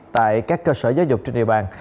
tại các cơ sở giáo dục trên địa bàn